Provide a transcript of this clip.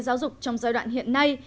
giáo dục trong giai đoạn hiện nay